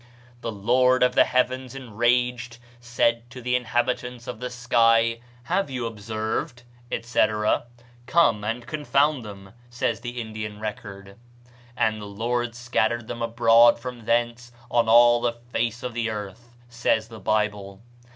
"The Lord of the Heavens, enraged, said to the inhabitants of the sky, 'Have you observed,' etc. Come and confound them," says the Indian record. "And the Lord scattered them abroad from thence on all the face of the earth," says the Bible.